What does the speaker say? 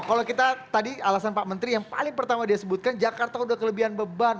kalau kita tadi alasan pak menteri yang paling pertama dia sebutkan jakarta udah kelebihan beban